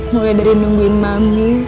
mulai dari nungguin mami